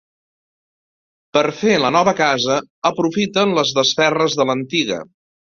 Per a fer la nova casa aprofiten les desferres de l'antiga.